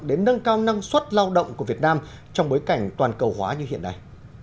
đến nâng cao năng suất lao động của việt nam trong bối cảnh toàn cầu hóa như hiện nay